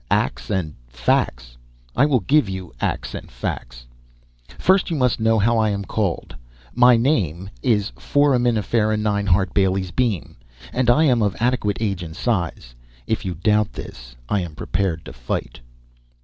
Acts and facts, I will give you acts and facts. First you must know how I am called. My "name" is Foraminifera 9 Hart Bailey's Beam, and I am of adequate age and size. (If you doubt this, I am prepared to fight.)